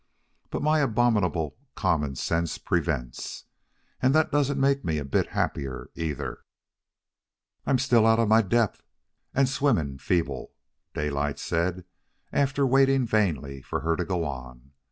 But my abominable common sense prevents. And that doesn't make me a bit happier, either." "I'm still out of my depth and swimming feeble," Daylight said, after waiting vainly for her to go on.